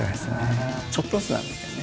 ちょっとずつなんですけどね。